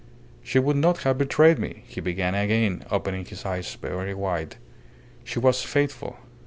"She would not have betrayed me," he began again, opening his eyes very wide. "She was faithful.